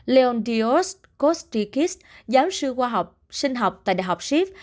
leon dios kostikis giáo sư khoa học sinh học tại đại học schiff